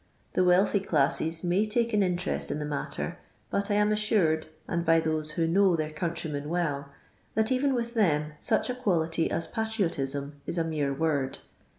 The wealthy dasses may take an interest in the matter, bnt I am assured, and by those who know their oomtiymen well, that even with them such a quality as patriotism is a mere word.